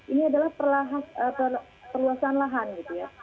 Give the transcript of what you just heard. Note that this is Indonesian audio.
ini adalah perluasan lahan gitu ya